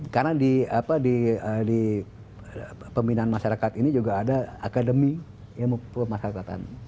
karena di pembinaan masyarakat ini juga ada akademi pembinaan masyarakatan